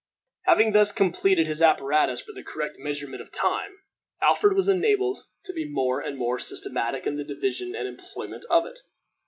Having thus completed his apparatus for the correct measurement of time, Alfred was enabled to be more and more systematic in the division and employment of it.